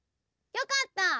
よかった。